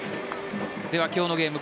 では、今日のゲーム